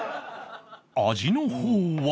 味の方は